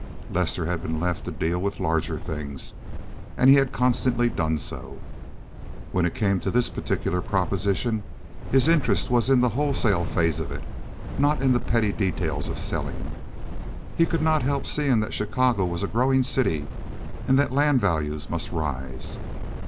Lester had been left to deal with larger things, and he had consistently done so. When it came to this particular proposition his interest was in the wholesale phases of it, not the petty details of selling. He could not help seeing that Chicago was a growing city, and that land values must rise.